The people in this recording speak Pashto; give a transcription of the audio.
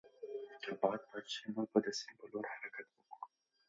که باد بند شي، موږ به د سیند پر لور حرکت وکړو.